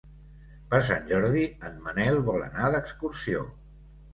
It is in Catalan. Per Sant Jordi en Manel vol anar d'excursió.